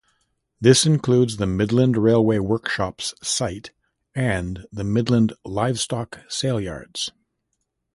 This includes the Midland Railway Workshops site and the Midland livestock sale yards.